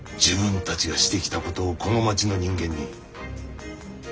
自分たちがしてきたことをこの町の人間に。